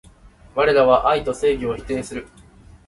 われらは愛と正義を否定する